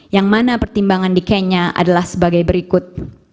yang mana pertimbangan di kenya adalah sebagai berikut